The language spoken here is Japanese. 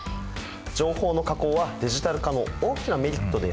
情報の加工はディジタル化の大きなメリットです。